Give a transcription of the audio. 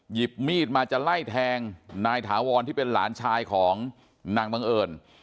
หยิบมีดมาจะไล่แทงนายถาวรที่เป็นหลานชายของนางบังเอิญ